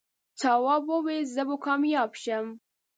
تواب وويل: زه به کامیابه شم.